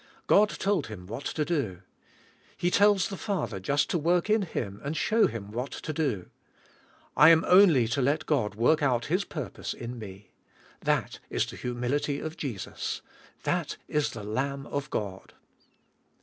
God told Him what to do. He tells the Father just to work in Him and show Him what to do. I am only to let God work out His purpose in me. That is the humility of Jesus. That is the Lamb of God.